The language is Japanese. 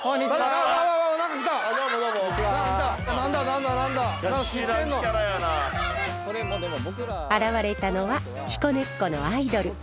現れたのは彦根っ子のアイドルカロム王子。